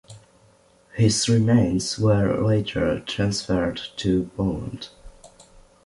His remains were later transferred to Poland.